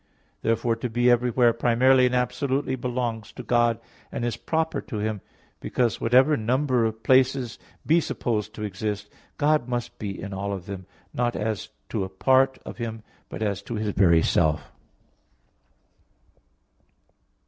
Therefore to be everywhere primarily and absolutely belongs to God and is proper to Him: because whatever number of places be supposed to exist, God must be in all of them, not as to a part of Him, but as to His very self.